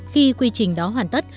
khi quy trình đó hoàn tất